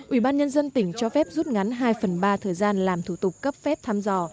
ủy ban nhân dân tỉnh cho phép rút ngắn hai phần ba thời gian làm thủ tục cấp phép thăm dò